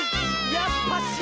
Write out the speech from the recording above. やっぱし。